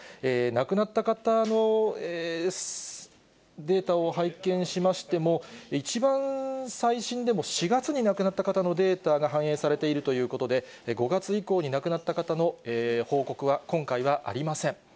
亡くなった方のデータを拝見しましても、一番最新でも４月に亡くなった方のデータが反映されているということで、５月以降に亡くなった方の報告は、今回はありません。